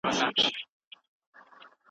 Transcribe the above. یو تازه مړی ولیدل شو.